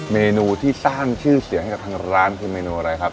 เมนูที่สร้างชื่อเสียงให้กับทางร้านคือเมนูอะไรครับ